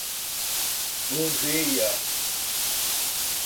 Gouvêia